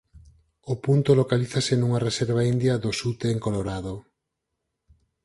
O punto localízase nunha reserva india dos ute en Colorado.